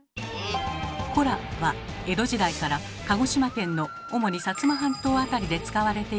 「コラ」は江戸時代から鹿児島県の主に薩摩半島辺りで使われていたとされる方言。